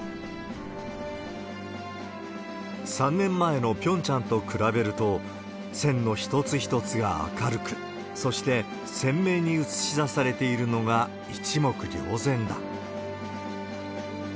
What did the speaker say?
３年前のピョンチャンと比べると、線の一つ一つが明るく、そして鮮明に映し出されているのが一目りょう然だ。